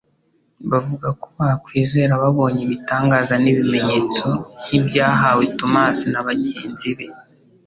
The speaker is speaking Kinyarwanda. bavuga ko bakwizera babonye ibitangaza n'ibimenyetso nk'ibyahawe Tomasi na bagenzi be.